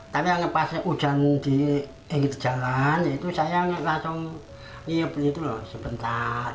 tapi pas hujan jalan saya langsung beli sebentar